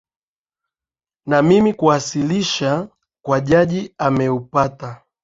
na mimi kuwasilisha kwa jaji ameupata